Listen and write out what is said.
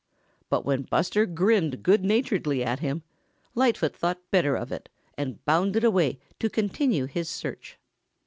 But when Buster grinned good naturedly at him, Lightfoot thought better of it and bounded away to continue his search.